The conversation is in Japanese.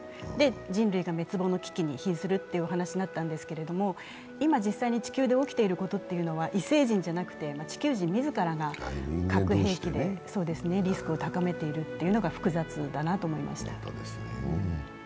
人類が滅亡の危機に瀕するというお話だったんですけど、今実際に地球で起きていることは異星人ではなくて地球人自らが核兵器でリスクを高めているというのが複雑だなと思いました。